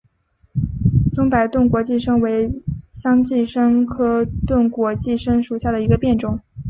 松柏钝果寄生为桑寄生科钝果寄生属下的一个变种。